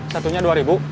satunya dua ribu